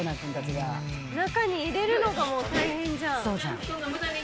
中に入れるのがもう大変じゃん。